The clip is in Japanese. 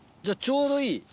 じゃちょうどいい？